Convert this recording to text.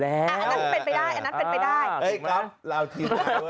อันนั้นเป็นไปได้